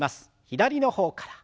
左の方から。